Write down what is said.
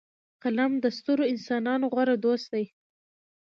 قلم د سترو انسانانو غوره دوست دی